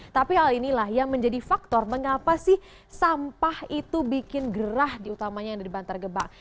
tapi hal inilah yang menjadi faktor mengapa sih sampah itu bikin gerah di utamanya yang ada di bantar gebang